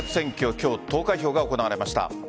今日、投開票が行われました。